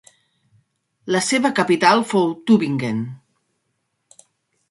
La seva capital fou Tübingen.